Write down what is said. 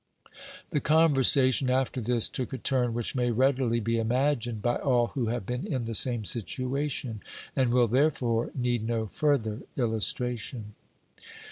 The conversation, after this, took a turn which may readily be imagined by all who have been in the same situation, and will, therefore, need no further illustration.